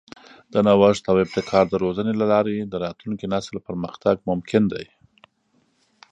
د نوښت او ابتکار د روزنې له لارې د راتلونکي نسل پرمختګ ممکن دی.